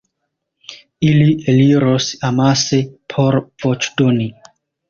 Ili eliros amase por voĉdoni.